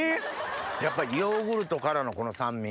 やっぱりヨーグルトからのこの酸味。